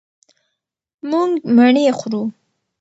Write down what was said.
مونږ مڼې خورو.